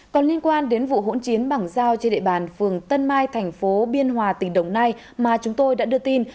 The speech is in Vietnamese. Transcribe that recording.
còn liên quan đến vụ hỗn chiến bằng dao trên địa bàn phường tân mai thành phố biên hòa tỉnh đồng nai mà chúng tôi đã đưa tin